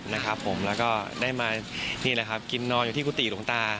นะครับผมแล้วก็ได้มานี่แหละครับกินนอนอยู่ที่กุฏิหลวงตา